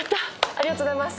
ありがとうございます。